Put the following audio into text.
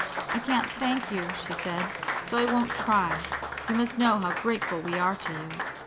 "I can't thank you," she said, "so I won't try. You must know how grateful we are to you."